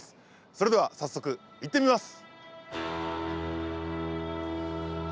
それでは早速行ってみます。